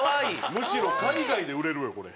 むしろ海外で売れるよこれ。